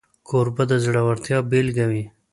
کوربه د زړورتیا بيلګه وي.